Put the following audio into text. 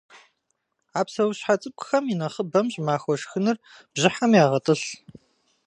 А псэущхьэ цӏыкӏухэм инэхъыбэм щӏымахуэ шхыныр бжьыхьэм ягъэтӏылъ.